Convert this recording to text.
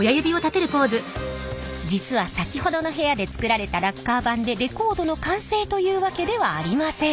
実はさきほどの部屋で作られたラッカー盤でレコードの完成というわけではありません。